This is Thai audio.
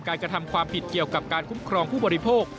กระทำความผิดเกี่ยวกับการคุ้มครองผู้บริโภค